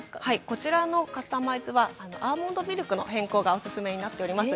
こちらのカスタマイズはアーモンドミルクの変更がオススメとなっています。